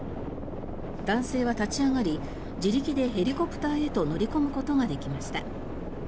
男性は立ち上がり自力でヘリコプターへと乗り込むことができました。